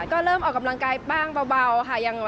ก็เริ่มออกกำลังกายบ้างเบาค่ะ